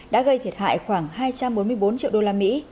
đã gây thiệt hại khoảng hai trăm bốn mươi bốn triệu đô la mỹ